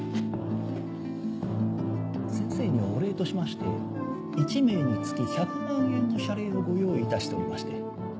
先生にはお礼としまして１名につき１００万円の謝礼をご用意いたしておりまして。